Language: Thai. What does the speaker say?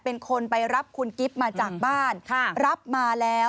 เป็นคนไปรับคุณกิฟต์มาจากบ้านรับมาแล้ว